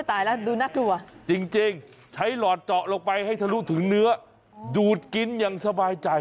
ตายแล้วดูน่ากลัวจริงใช้หลอดเจาะลงไปให้ทะลุถึงเนื้อดูดกินอย่างสบายใจ